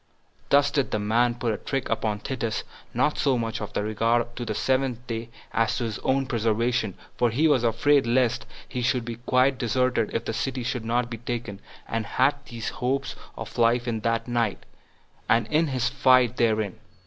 Thus did this man put a trick upon Titus, not so much out of regard to the seventh day as to his own preservation, for he was afraid lest he should be quite deserted if the city should be taken, and had his hopes of life in that night, and in his flight therein.